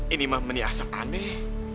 ini mah meniasa aneh